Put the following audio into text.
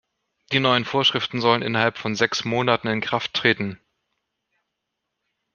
Die neuen Vorschriften sollen innerhalb von sechs Monaten in Kraft treten.